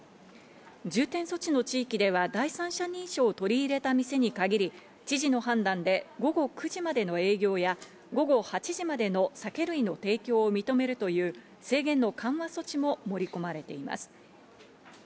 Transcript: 重点措置の地域では第三者認証を取り入れた店に限り、知事の判断で午後９時までの営業や、午後８時までの酒類の提供を認めるという制限の緩和措置も盛り込まれています。